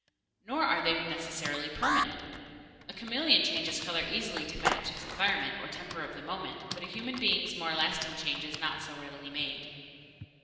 Nor are they necessarily permanent. A chameleon changes color easily to match its environment or temper of the moment, but a human being's more lasting change is not so readily made.